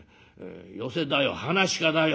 寄席だよ噺家だよ」。